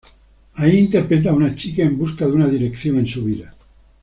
Ahí, interpreta a una chica en busca de una dirección en su vida.